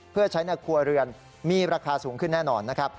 เพื่อใช้ในครัวเรือนมีราคาสูงขึ้นแน่นอนนะครับ